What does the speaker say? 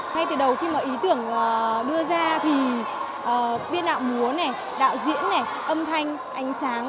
ngay từ đầu khi mà ý tưởng đưa ra thì biên đạo múa này đạo diễn này âm thanh ánh sáng